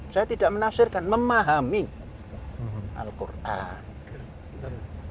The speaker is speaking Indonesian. saya tidak menafsirkan memahami al quran